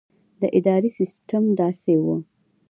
د ادارې سسټم داسې وو.